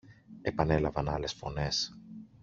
επανέλαβαν άλλες φωνές.